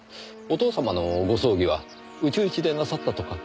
お父様のご葬儀は内々でなさったとか？